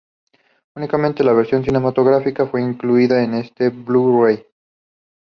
Únicamente la versión cinematográfica fue incluida en este Blu-Ray.